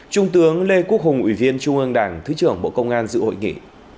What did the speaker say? trung tướng lê quốc hùng ủy viên trung ương đảng thứ trưởng bộ công an dự hội nghị